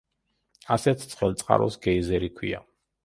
ასეთ ცხელ წყაროს გეიზერი ჰქვია.